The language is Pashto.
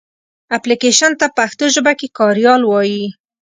اپلکېشن ته پښتو ژبه کې کاریال وایې.